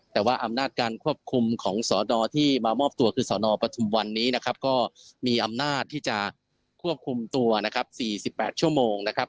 แต่ว่าอำนาจการควบคุมของสนปฐุมวันนี้ก็มีอำนาจที่จะควบคุมตัว๔๘ชั่วโมง